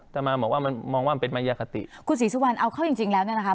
ต่อมาบอกว่ามันมองว่ามันเป็นมายคติคุณศรีสุวรรณเอาเข้าจริงจริงแล้วเนี่ยนะคะ